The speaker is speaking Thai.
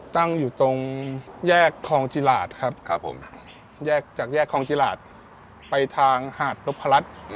ตั้งอยู่ตรงแยกคลองจิหลาดครับจากแยกคลองจิหลาดไปทางหาดลบพระรัช